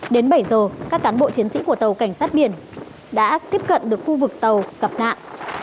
đến bảy giờ các cán bộ chiến sĩ của tàu cảnh sát biển đã tiếp cận được khu vực tàu gặp nạn